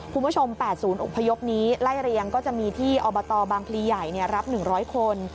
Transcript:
๘ศูนย์อพยพนี้ไล่เรียงก็จะมีที่อบตบางพลีใหญ่รับ๑๐๐คน